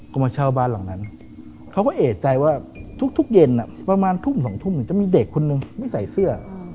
ก็มาเช่าบ้านหลังนั้นเขาก็เอกใจว่าทุกเย็นประมาณทุ่ม๒ทุ่มถึงจะมีเด็กคนนึงไม่ใส่เสื้อ